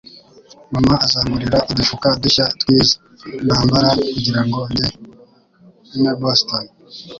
Mama azangurira udufuka dushya twiza nambara kugirango njyane Boston.